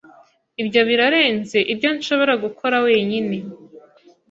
Ibyo birarenze ibyo nshobora gukora wenyine.